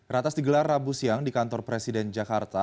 ratas digelar rabu siang di kantor presiden jakarta